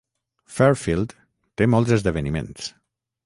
Fairfield té molts esdeveniments.